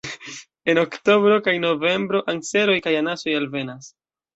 En oktobro kaj novembro anseroj kaj anasoj alvenas.